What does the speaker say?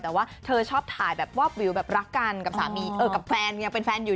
แต่ว่าเธอชอบถ่ายแบบวาบวิวแบบรักกันกับสามีกับแฟนยังเป็นแฟนอยู่